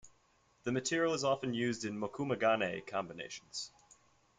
The material is often used in mokume-gane combinations.